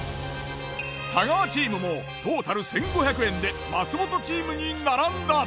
太川チームもトータル１，５００円で松本チームに並んだ。